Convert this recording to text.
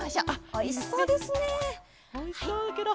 おいしそうケロ。